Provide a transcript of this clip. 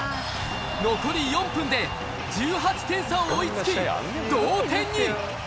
残り４分で１８点差を追いつき、同点に。